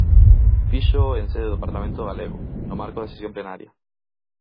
Fíxoo en sede do parlamento Galego, no marco da sesión plenaria.